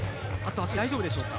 足首、大丈夫でしょうか。